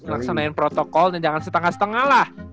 laksanain protokol dan jangan setengah setengah lah